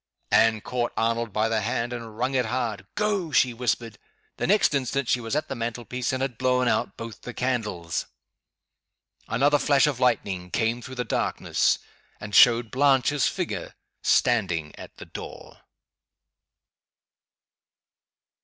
Anne caught Arnold by the hand and wrung it hard. "Go!" she whispered. The next instant she was at the mantle piece, and had blown out both the candles. Another flash of lightning came through the darkness, and showed Blanche's figure standing at the door.